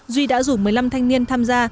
duy đã rủ một mươi năm thanh niên tham gia